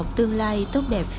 một tương lai tốt đẹp phía trước